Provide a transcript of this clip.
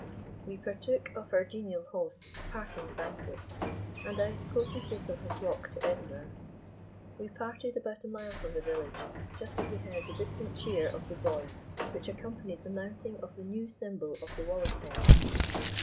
We partook of our genial host's parting banquet, and I escorted Dick on his walk to Edinburgh. We parted about a mile from the village, just as we heard the distant cheer of the boys which accompanied the mounting of the new symbol of the Wallace Head.